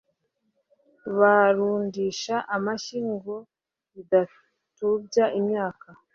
barundisha amashyi, ngo bidatubya imyaka